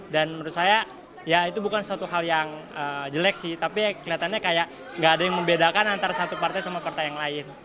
dan menurut saya ya itu bukan suatu hal yang jelek sih tapi kelihatannya kayak nggak ada yang membedakan antara satu partai sama partai yang lain